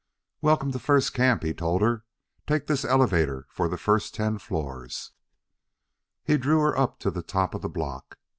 "Welcome to First Camp!" he told her. "Take this elevator for the first ten floors." He drew her up to the top of the block.